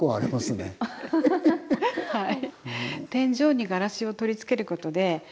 はい。